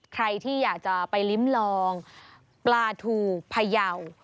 ใครที่อยากจะไปลิ้มลองปลาทูพยาว